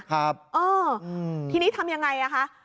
ครับเออทีนี้ทำยังไงอ่ะคะ